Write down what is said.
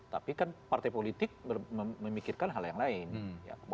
tapi kan partai politik memikirkan hal yang lain